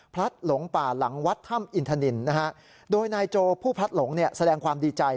พลัดหลงป่าหลังวัดถ้ำอินทนินโดยนายโจผู้พลัดหลงแสดงความดีใจ